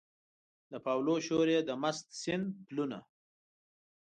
د پاولو شور یې د مست سیند پلونه